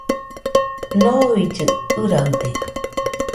Noillɨɨ ɨraɨde